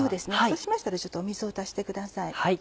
そうしましたらちょっと水を足してください。